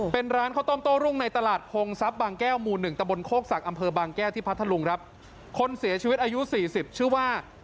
เป็นร้านข้าวต้มโต้รุ่งในตลาดโฮงซับบางแก้ว